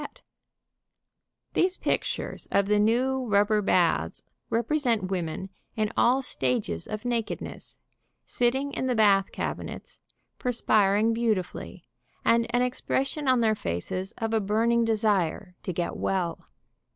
THE TURKISH BATH AT HOME 153 These pictures of the new rubber baths represent women in all stages of nakedness, sitting in the bath cabinets, perspiring beautifully, and an expression on their faces of a burning desire to get well.